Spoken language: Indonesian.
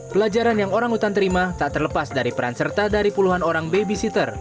pelajaran yang orang utan terima tak terlepas dari peran serta dari puluhan orang babysitter